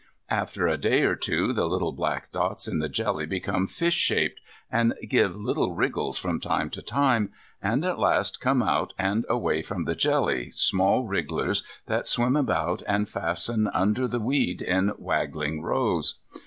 After a day or two the little black spots in the jelly become fish shaped, and give little wriggles from time to time, and at last come out and away from the jelly, small wrigglers, that swim about, and fasten under the weed in waggling rows.